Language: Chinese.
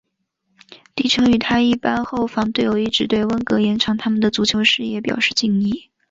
迪臣与他一班后防队友一直对温格延长他们的足球事业表示敬意。